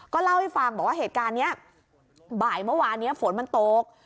เล่าให้ฟังบอกว่าเหตุการณ์นี้บ่ายเมื่อวานนี้ฝนมันตก